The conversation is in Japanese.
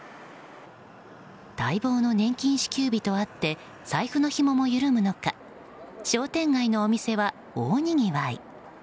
待望の年金支給日とあって財布のひもも緩む中商店街のお店は、大にぎわい。